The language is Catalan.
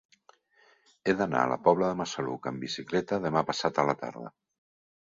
He d'anar a la Pobla de Massaluca amb bicicleta demà passat a la tarda.